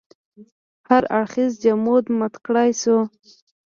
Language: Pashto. هر اړخیز جمود مات کړای شو.